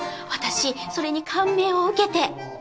私それに感銘を受けて。